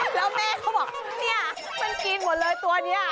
แล้วแม่เขาบอกเนี่ยมันกินหมดเลยตัวนี้